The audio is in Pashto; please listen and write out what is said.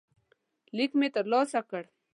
لیک مې ترلاسه کړ.